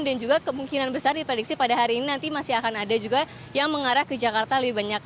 dan juga kemungkinan besar diprediksi pada hari ini nanti masih akan ada juga yang mengarah ke jakarta lebih banyak